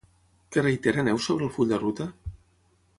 Què reitera Neus sobre el full de ruta?